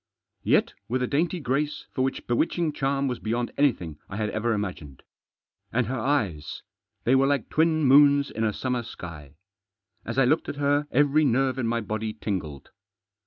Yet with a dainty grace which for bewitching charm was beyond anything I had ever imagined. And her eyes! They were like twin moons in a summer sky. As I looked at her every nerve in my body tingled.